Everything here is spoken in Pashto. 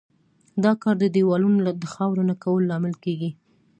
دا کار د دېوالونو د خاوره نه کولو لامل کیږي.